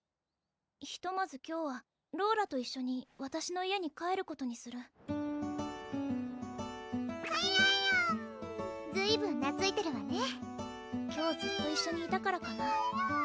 ひとまず今日はローラと一緒にわたしの家に帰ることにするくるるんずいぶんなついてるわね今日ずっと一緒にいたからかな？